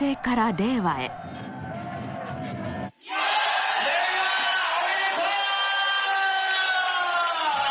令和おめでとう！